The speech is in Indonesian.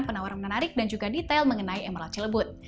penawaran menarik dan juga detail mengenai emerald cilebut